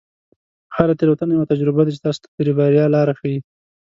هره تیروتنه یوه تجربه ده چې تاسو ته د بریا لاره ښیي.